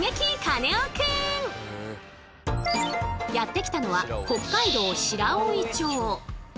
カネオくん！やって来たのは北海道白老町。